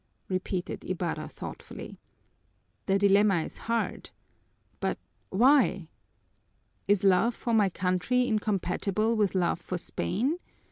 repeated Ibarra thoughtfully. "The dilemma is hard! But why? Is love for my country incompatible with love for Spain?